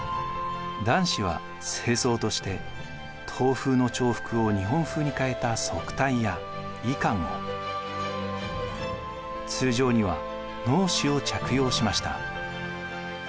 男子は正装として唐風の朝服を日本風に変えた束帯や衣冠を通常には直衣を着用しました。